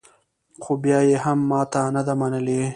خو بیا یې هم ماته نه ده منلې